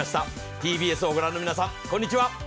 ＴＢＳを御覧の皆さん、こんにちは。